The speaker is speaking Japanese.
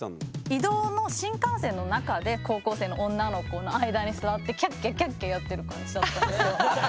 移動の新幹線の中で高校生の女の子の間に座ってやってる感じだったんですよ。